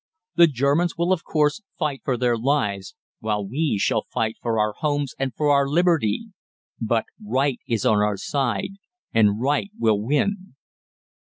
The Germans will, of course, fight for their lives, while we shall fight for our homes and for our liberty. But right is on our side, and right will win.